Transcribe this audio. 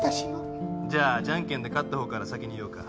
じゃあじゃんけんで勝ったほうから先に言おうか。